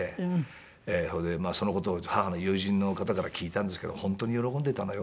それでその事を母の友人の方から聞いたんですけど「本当に喜んでたのよ」